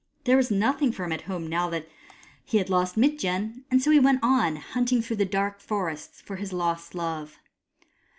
There was nothing for him at home now that he had lost 112 HOW LIGHT CAME Mitjen ; and so he went on, hunting through the dark forests for his lost love.